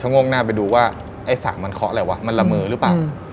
โงกหน้าไปดูว่าไอ้สระมันเคาะอะไรวะมันละเมอหรือเปล่า